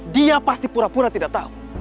dia pasti pura pura tidak tahu